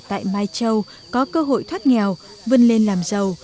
tại mai châu có cơ hội thoát nghèo vươn lên làm giàu